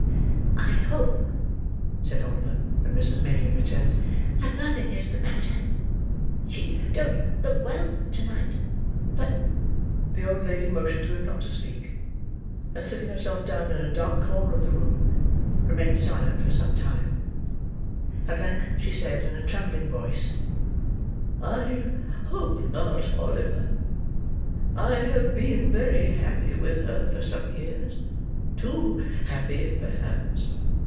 "I hope," said Oliver, when Mrs. Maylie returned, "that nothing is the matter? She don't look well to night, but—" The old lady motioned to him not to speak; and sitting herself down in a dark corner of the room, remained silent for some time. At length, she said, in a trembling voice: "I hope not, Oliver. I have been very happy with her for some years: too happy, perhaps.